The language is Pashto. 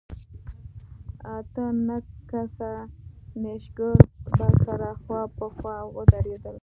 اته نه کسه نېشګر به سره خوا په خوا ودرېدل.